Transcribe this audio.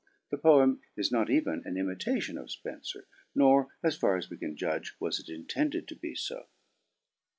The poem is not even an imitation of Spenfer, nor, as far as we can judge, was it intended to be fo.